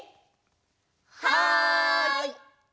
はい！